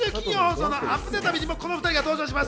今週金曜放送のアプデ旅にも、この２人が登場します。